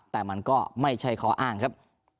แต่มันก็ไม่ใช่ข้ออ้างครับ